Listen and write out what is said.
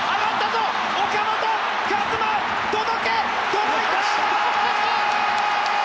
届いた！